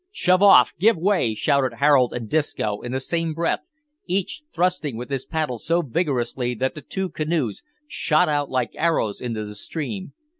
"Shove off! give way!" shouted Harold and Disco in the same breath, each thrusting with his paddle so vigorously that the two canoes shot out like arrows into the stream.